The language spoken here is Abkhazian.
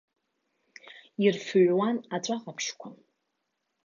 Ирфыҩуан аҵәа ҟаԥшьқәа.